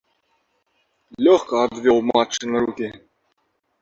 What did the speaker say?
Лёгка адвёў матчыны рукі.